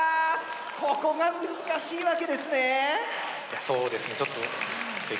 ここが難しいわけですね。